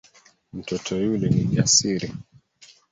Mtoto yule ni jasiri.